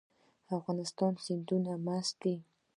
د افغانستان سیندونه مست دي